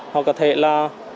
họ có thể là